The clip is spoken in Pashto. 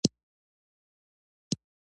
کندهار د افغانستان پخوانۍ پلازمېنه ده.